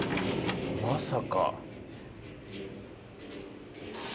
まさか！？